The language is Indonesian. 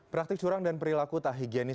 praktik curang dan perilaku tak higienis